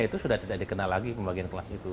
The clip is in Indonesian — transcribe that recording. itu sudah tidak dikenal lagi pembagian kelas itu